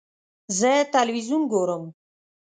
زه تلویزیون ګورم.